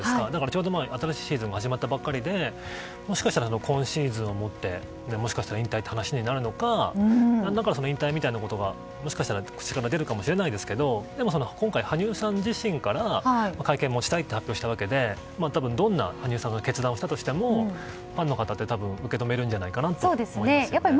ちょうど新しいシーズンが始まったばかりでもしかしたら今シーズンをもってもしかしたら引退という話になるのか、引退という言葉がもしかしたら出るかもしれないですけど今回、羽生さん自身から会見をしたいと発表したわけで多分どんな決断を羽生さんがしたとしてもファンの方は受け止めるんじゃないかとやっぱり